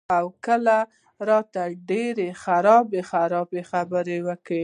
او کله راته ډېرې خرابې خرابې خبرې کئ " ـ